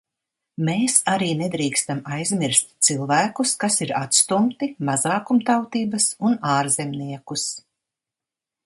Mēs arī nedrīkstam aizmirst cilvēkus, kas ir atstumti, mazākumtautības un ārzemniekus.